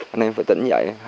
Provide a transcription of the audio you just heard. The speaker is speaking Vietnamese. anh em phải tỉnh dậy